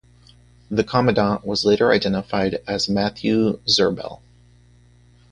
The commandant was later identified as Matthew Zirbel.